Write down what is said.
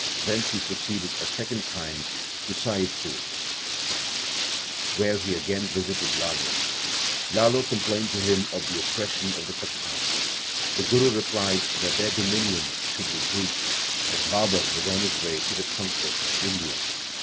Thence he pro ceeded a second time to Saiyidpur, where he again visited Lalo. Lalo complained to him of the oppres sion of the Pathans. The Guru replied that their dominion should be brief, as Babar was on his way to the conquest of India.